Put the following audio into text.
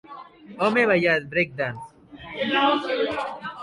home ballant "breakdance".